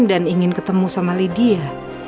dan ingin ketemu sama lydia